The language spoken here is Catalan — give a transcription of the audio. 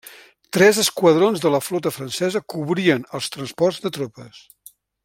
Tres esquadrons de la flota francesa cobrien els transports de tropes.